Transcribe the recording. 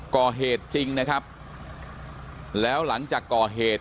ก่อเหตุจริงนะครับแล้วหลังจากก่อเหตุ